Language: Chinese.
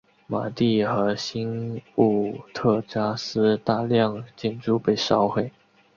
马蒂和新武特扎斯大量建筑被烧毁。